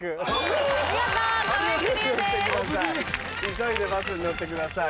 急いでバスに乗ってください。